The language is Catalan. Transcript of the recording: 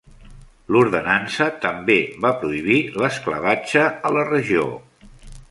L'ordenança també va prohibir l'esclavatge a la regió.